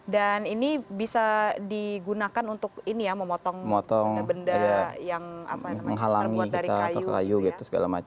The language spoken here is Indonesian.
dan ini bisa digunakan untuk memotong benda yang terbuat dari kayu gitu ya